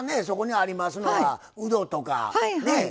そこにありますのはうどとかね